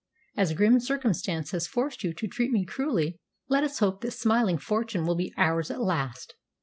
As grim circumstance has forced you to treat me cruelly, let us hope that smiling fortune will be ours at last.